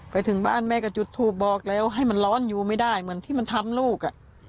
ไปถึงบ้านแม่ก็จุดทูปบอกแล้วให้มันร้อนอยู่ไม่ได้เหมือนที่มันทำลูก